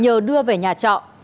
nhờ đưa về nhà trọ